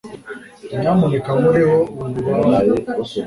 nyamuneka nkureho ubu bubabare